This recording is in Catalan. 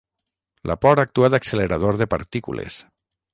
La por actua d'accelerador de partícules.